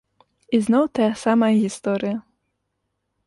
І зноў тая самая гісторыя!